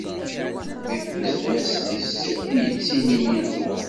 Di tlemmast-is i yettili Yillu.